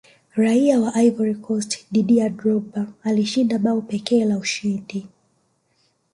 raia wa ivory coast didier drogba alifunga bao pekee la ushindi